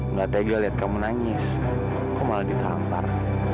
nggak tega lihat kamu nangis kok malah ditampar